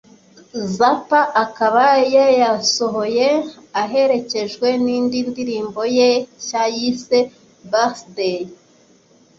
Zappa akaba yayasohoye aherekejwe n’indi ndirimbo ye nshya yise ‘Birthday’